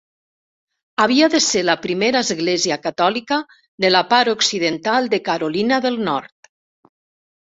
Havia de ser la primera església catòlica de la part occidental de Carolina del Nord.